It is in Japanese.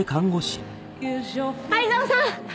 藍沢さん！